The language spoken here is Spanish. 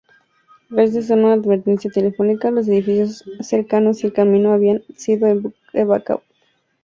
Gracias a una advertencia telefónica, los edificios cercanos y el camino habían sido evacuados.